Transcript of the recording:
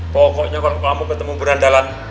pokoknya kalau kamu ketemu berandalan